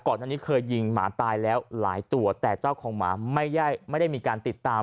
อันนี้เคยยิงหมาตายแล้วหลายตัวแต่เจ้าของหมาไม่ได้ไม่ได้มีการติดตาม